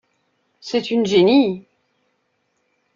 C'est une génie!